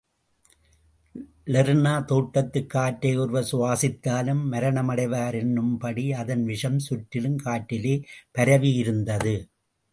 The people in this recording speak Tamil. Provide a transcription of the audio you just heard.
லெர்னா தோட்டத்துக் காற்றை ஒருவர் சுவாசித்தாலும் மரணமடைவர் என்னும்படி, அதன் விஷம் சுற்றிலும் காற்றிலே பரவியிருந்தது.